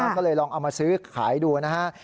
ก็เลยลองเอามาซื้อขายดูนะฮะ